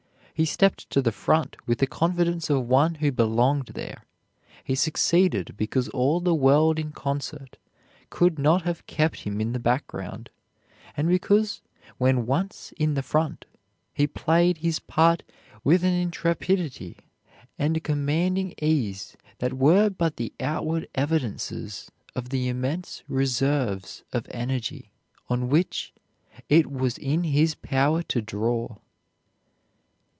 He stepped to the front with the confidence of one who belonged there. He succeeded because all the world in concert could not have kept him in the background, and because when once in the front he played his part with an intrepidity and a commanding ease that were but the outward evidences of the immense reserves of energy on which it was in his power to draw.